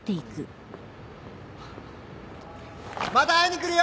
また会いに来るよ！